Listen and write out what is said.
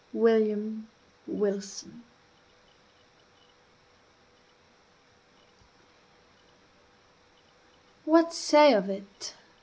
WILLIAM WILSON What say of it?